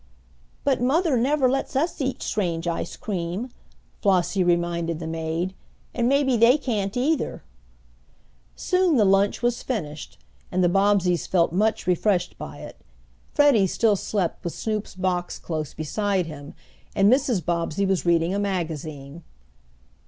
"But mother never lets us eat strange ice cream," Flossie reminded the maid. "And maybe they can't either." Soon the lunch was finished, and the Bobbseys felt much refreshed by it. Freddie still slept with Snoop's box close beside him, and Mrs. Bobbsey was reading a magazine.